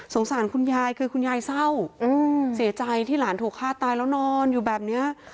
สารคุณยายคือคุณยายเศร้าเสียใจที่หลานถูกฆ่าตายแล้วนอนอยู่แบบนี้